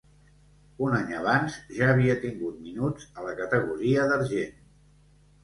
Un any abans ja havia tingut minuts, a la categoria d'argent.